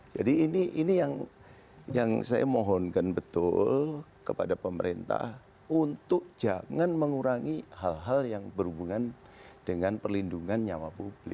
jadi ini yang saya mohonkan betul kepada pemerintah untuk jangan mengurangi hal hal yang berhubungan dengan perlindungan nyawa publik